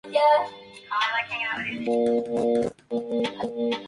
Por su trabajo fue afiliada al Salón de la Plástica Mexicana.